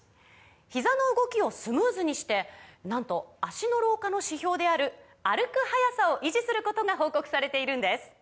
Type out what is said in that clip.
ひざの動きをスムーズにしてなんと脚の老化の指標である歩く速さを維持することが報告されているんです